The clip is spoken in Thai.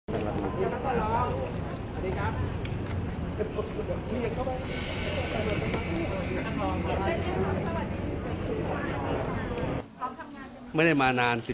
สวัสดีครับสวัสดีครับ